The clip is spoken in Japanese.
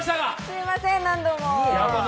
すみません、何度も。